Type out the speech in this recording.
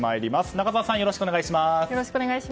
中澤さん、よろしくお願いします。